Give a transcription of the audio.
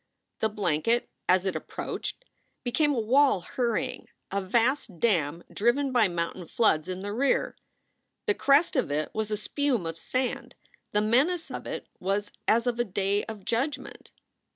The blanket, as it approached, became a wall hurry ing, a vast dam driven by mountain floods in the rear. The crest of it was a spume of sand. The menace of it was as of a Day of Judgment.